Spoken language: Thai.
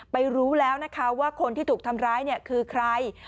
รู้แล้วนะคะว่าคนที่ถูกทำร้ายคือใคร